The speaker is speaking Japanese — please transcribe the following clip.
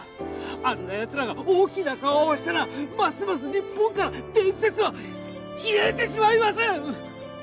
あんなやつらが大きな顔をしたらますます日本から伝説は消えてしまいます！